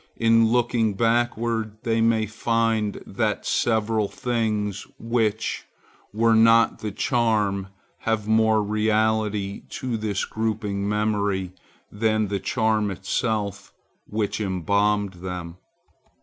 In looking backward they may find that several things which were not the charm have more reality to this groping memory than the charm itself which embalmed them.